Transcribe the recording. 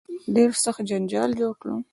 ډېر سخت جنجال جوړ کړ.